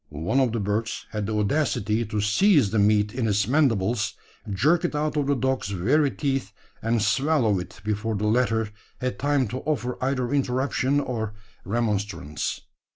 One of the birds had the audacity to seize the meat in its mandibles, jerk it out of the dog's very teeth, and swallow it, before the latter had time to offer either interruption or remonstrance.